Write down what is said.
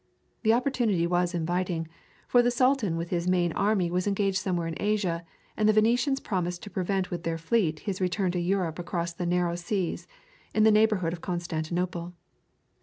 The opportunity was inviting, for the Sultan with his main army was engaged somewhere in Asia, and the Venetians promised to prevent with their fleet his return to Europe across the narrow seas in the neighborhood of Constantinople.